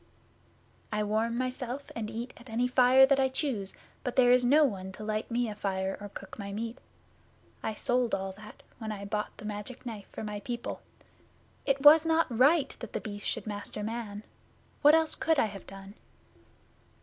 'I warm myself and eat at any fire that I choose, but there is no one to light me a fire or cook my meat. I sold all that when I bought the Magic Knife for my people. It was not right that The Beast should master man. What else could I have done?